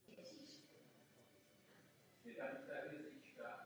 Poté švédský král přiměl saského kurfiřta Jana Jiřího ke spolupráci.